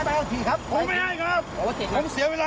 ผมใช้อารมณ์ที่ไหน